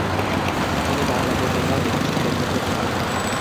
তিনি বাংলা পত্রিকা এবং সংবাদপত্র পড়তেন।